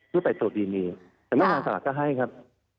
ที่ไปตรวจดีนีสำนักงานสลากก็ให้ครับ